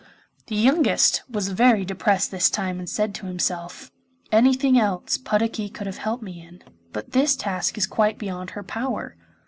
The youngest was very depressed this time and said to himself, 'Anything else Puddocky could have helped me in, but this task is quite beyond her power.